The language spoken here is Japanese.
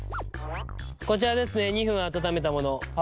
こちらですね２分温めたもの。